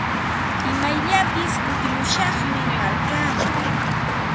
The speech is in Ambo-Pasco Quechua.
Imayllapis kutimushaqmi markaaman.